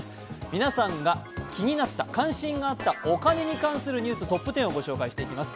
皆さんが気になった、関心があったお金に関するニュース、トップ１０をご紹介していきます。